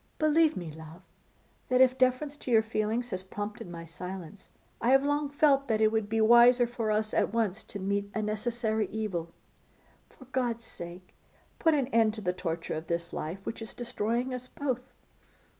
Believe me, love, that if deference to your feelings has prompted my silence, I have long felt that it would be wiser for us at once to meet a necessary evil. For God's sake, put an end to the torture of this life, which is destroying us both.